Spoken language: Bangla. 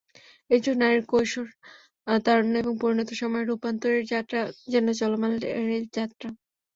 একজন নারীর কৈশোর, তারুণ্য এবং পরিণত সময়ের রূপান্তরের যাত্রা যেন চলমান রেলযাত্রা।